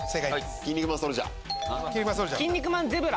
キン肉マンゼブラ。